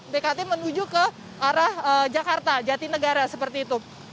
bkt menuju ke arah jakarta jatinegara seperti itu